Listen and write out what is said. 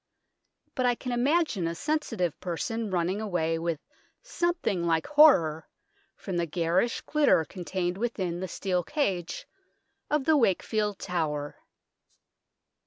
But I can imagine a sensitive person running away with something like horror from the garish glitter contained within the steel cage of the Wakefield Tower.